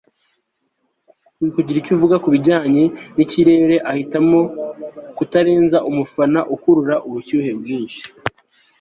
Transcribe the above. kugira icyo avuga kubijyanye nikirere ahitamo kutarenza umufana ukurura ubushyuhe bwinshi